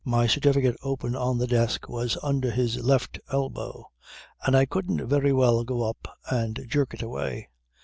My certificate open on the desk was under his left elbow and I couldn't very well go up and jerk it away.